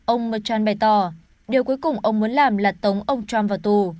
ông machon bày tỏ điều cuối cùng ông muốn làm là tống ông trump vào tù